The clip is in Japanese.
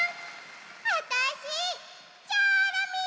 あたしチョロミー！